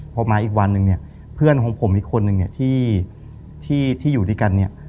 พอมาอีกวันหนึ่งเนี่ยเพื่อนของผมอีกคนนึงเนี่ยที่อยู่ด้วยกันเนี่ย